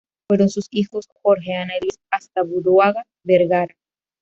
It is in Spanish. Fueron sus hijos Jorge, Ana y Luis Astaburuaga Vergara.